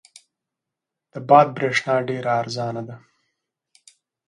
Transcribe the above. د باد برېښنا ډېره ارزانه ده.